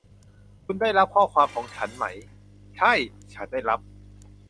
คุณได้รับข้อความของฉันไหม ? ใช่ ฉันได้รับ